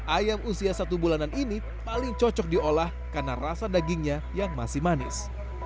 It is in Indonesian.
ayam usia satu bulanan ini paling cocok diolah karena rasa dagingnya yang masih manis